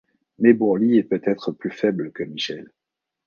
Mais Bourly est peut-être plus faible que Michel.